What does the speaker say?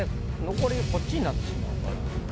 残りこっちになってしまうから。